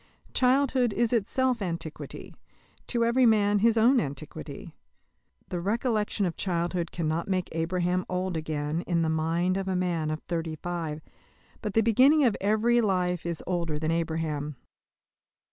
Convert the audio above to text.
Childhood is itself Antiquity to every man his only Antiquity. The recollection of childhood cannot make Abraham old again in the mind of a man of thirty five; but the beginning of every life is older than Abraham.